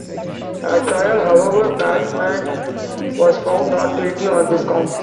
At trial, however, Bachman was found not guilty on these counts.